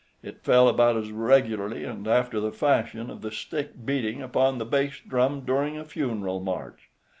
It fell about as regularly and after the fashion of the stick beating upon the bass drum during a funeral march.